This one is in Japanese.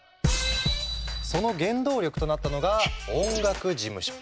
その原動力となったのが音楽事務所。